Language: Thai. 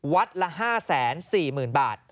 วัดละ๕๔๐๐๐๐บาท